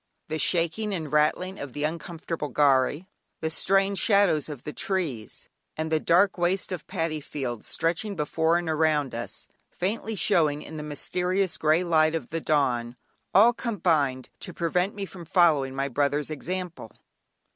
The shaking and rattling of the uncomfortable "gharry," the strange shadows of the trees, and the dark waste of paddy fields stretching before and around us, faintly showing in the mysterious grey light of the dawn, all combined to prevent me from following my brother's example.